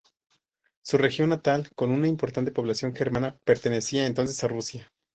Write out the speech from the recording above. Su región natal, con una importante población germana, pertenecía entonces a Rusia.